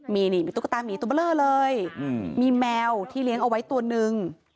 มีนี่มีตุ๊กตามีตัวเบลอเลยมีแมวที่เลี้ยงเอาไว้ตัวนึง